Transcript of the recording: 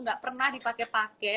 nggak pernah dipake pake